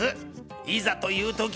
いざというとき